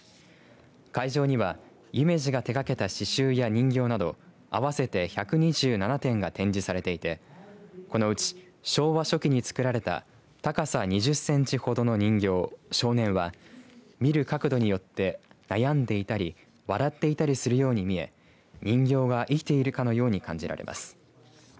会場には、夢二が手がけた刺しゅうや人形など合わせて１２７点が展示されていてこのうち、昭和初期に作られた高さ２０センチほどの人形少年は見る角度によって悩んでいたり笑っていたりするように見え人形が生きているかのように感じられます。